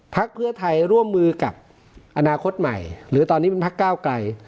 พรพฤไทยร่วมมือกับอนาคตใหม่หรือตอนนี้เป็นพรแก้วไกร